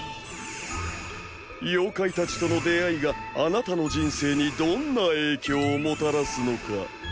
妖怪たちとの出会いがあなたの人生にどんな影響をもたらすのか。